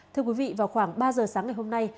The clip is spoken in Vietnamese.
thưa quý vị vào khoảng ba giờ sáng ngày hôm nay